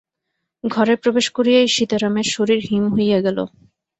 ঘরে প্রবেশ করিয়াই সীতারামের শরীর হিম হইয়া গেল।